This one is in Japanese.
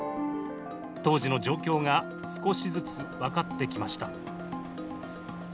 当時の状況が少しずつ分かってきました。